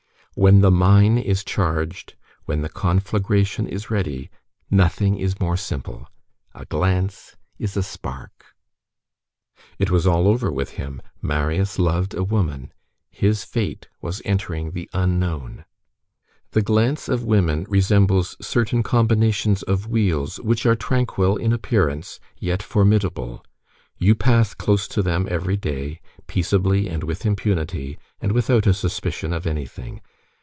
When the mine is charged, when the conflagration is ready, nothing is more simple. A glance is a spark. It was all over with him. Marius loved a woman. His fate was entering the unknown. The glance of women resembles certain combinations of wheels, which are tranquil in appearance yet formidable. You pass close to them every day, peaceably and with impunity, and without a suspicion of anything.